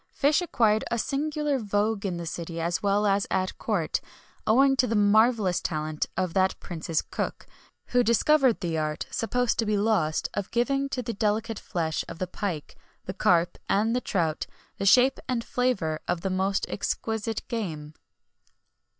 fish acquired a singular vogue in the city as well as at court, owing to the marvellous talent of that prince's cook, who discovered the art, supposed to be lost, of giving to the delicate flesh of the pike, the carp, and the trout, the shape and flavour of the most exquisite game.